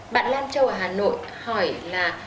bạn lan châu ở hà nội hỏi là